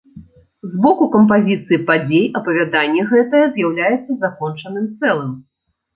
З боку кампазіцыі падзей апавяданне гэтае з'яўляецца закончаным цэлым.